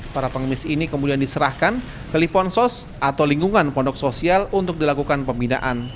para pengemis ini kemudian diserahkan ke liponsos atau lingkungan pondok sosial untuk dilakukan pembinaan